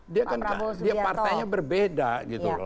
dia kan dia partainya berbeda gitu loh